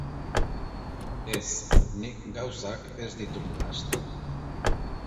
Ez, nik gauzak ez ditut nahasten.